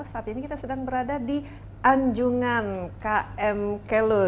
saat ini kita sedang berada di anjungan km kelur